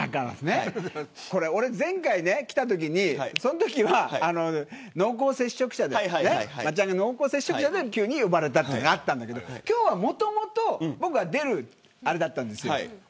俺、前回来たときに、そのときは松ちゃんが濃厚接触者で急に呼ばれたっていうのがあったんだけど今日は、もともと僕は出るあれだったんですよ。